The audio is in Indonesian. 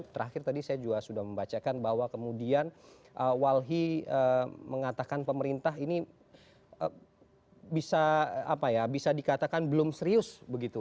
terakhir tadi saya juga sudah membacakan bahwa kemudian walhi mengatakan pemerintah ini bisa dikatakan belum serius begitu